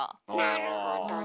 なるほどね。